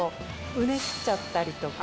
うねっちゃったりとか。